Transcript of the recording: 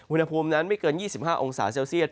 อุณหภูมินั้นไม่เกิน๒๕องศาเซลเซียต